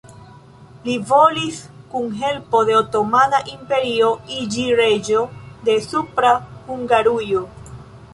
Li volis, kun helpo de Otomana Imperio, iĝi reĝo de Supra Hungarujo.